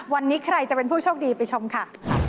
วันนี้ใครจะเป็นผู้โชคดีไปชมค่ะ